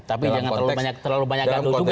tapi jangan terlalu banyak gaduh juga